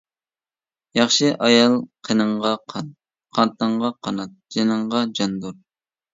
ياخشى ئايال-قېنىڭغا قان، قانىتىڭغا قانات، جېنىڭغا جاندۇر.